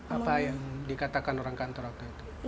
apa yang dikatakan orang kantor waktu itu